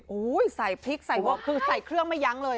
โอ้โหใส่พริกใส่วอกคือใส่เครื่องไม่ยั้งเลย